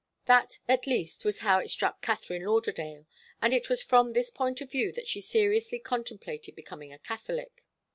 That, at least, was how it struck Katharine Lauderdale, and it was from this point of view that she seriously contemplated becoming a Catholic.